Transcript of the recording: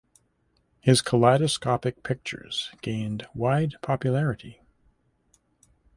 His kaleidoscopic pictures gained wide popularity.